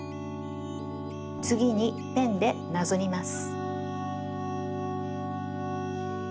つぎにペンでなぞります。